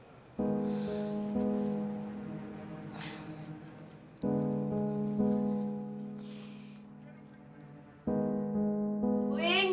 itu udah keren banget